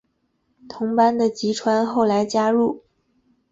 同班的吉川后来加入。